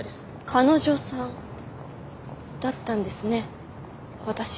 彼女さんだったんですね私。